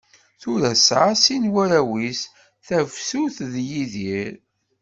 Tura tesɛa sin n warraw-is, Tafsut d Yidir.